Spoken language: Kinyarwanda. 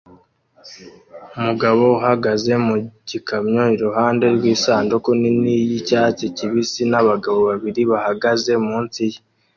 Umugabo uhagaze mu gikamyo iruhande rw'isanduku nini y'icyatsi kibisi n'abagabo babiri bahagaze munsi ye